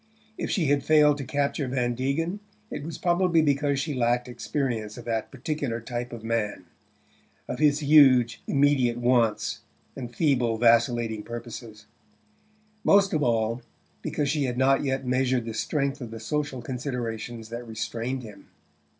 If she had failed to capture Van Degen it was probably because she lacked experience of that particular type of man, of his huge immediate wants and feeble vacillating purposes; most of all, because she had not yet measured the strength of the social considerations that restrained him.